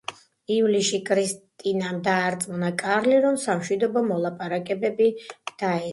ივლისში კრისტინამ დაარწმუნა კარლი რომ სამშვიდობო მოლაპარაკებები დაეწყო.